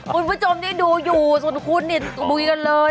คุณผู้โจมนี้ดูอยู่ส่วนคุณเนี่ยคุณคุยกันเลย